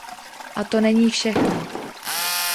A to není všechno.